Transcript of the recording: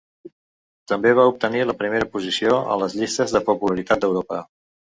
També va obtenir la primera posició en les llistes de popularitat d'Europa.